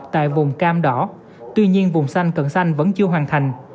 tại vùng cam đỏ tuy nhiên vùng xanh cận xanh vẫn chưa hoàn thành